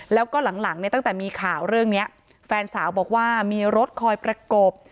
แล้วก็หลังเนี่ยตั้งแต่มีข่าวเรื่องนี้แฟนสาวบอกว่ามีรถคอยประกบ